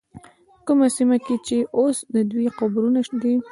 کومه سیمه کې چې اوس د دوی قبرونه دي.